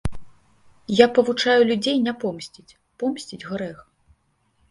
Я павучаю людзей не помсціць, помсціць грэх.